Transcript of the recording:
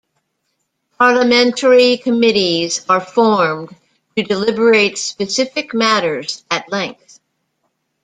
Parliamentary committees are formed to deliberate specific matters at length.